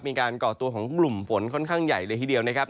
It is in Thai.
ก่อตัวของกลุ่มฝนค่อนข้างใหญ่เลยทีเดียวนะครับ